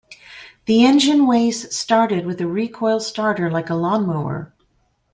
The engine wase started with a recoil starter like a lawn mower.